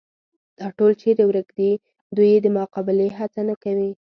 دا ټول چېرې ورک دي، دوی یې د مقابلې هڅه نه کوي.